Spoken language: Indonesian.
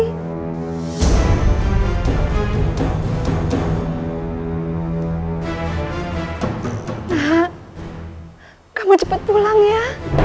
hahaha kamu cepat pulang ya